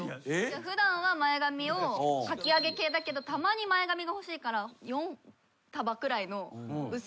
普段は前髪をかきあげ系だけどたまに前髪が欲しいから４束くらいの薄い前髪を作っとくんですよ。